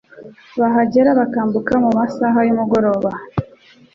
bahagera bakambuka mu masaha y'umugoroba